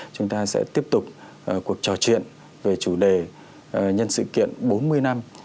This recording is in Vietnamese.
chúng ta sẽ tiếp tục cuộc trò chuyện về chủ đề nhân sự kiện bốn mươi năm